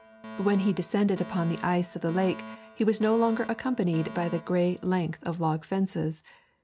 When he descended upon the ice of the lake he was no longer accompanied by the grey length of the log fences.